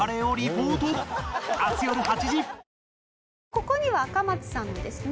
ここにはアカマツさんのですね